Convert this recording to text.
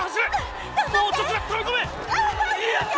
やった！